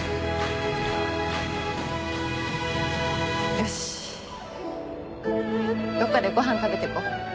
よしどっかでご飯食べてこ。